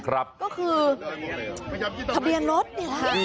ก็คือทะเบียนรถนี่แหละค่ะ